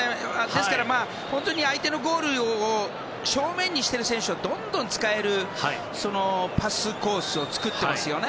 本当に相手のゴールを正面にしている選手をどんどん使えるパスコースを作ってますね。